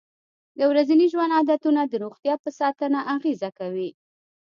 د ورځني ژوند عادتونه د روغتیا په ساتنه اغېزه کوي.